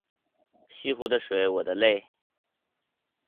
西湖的水我的泪